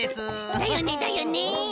だよねだよね。